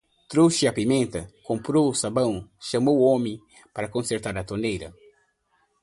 Trouxe a pimenta? Comprou o sabão? Chamou o homem para consertar a torneira?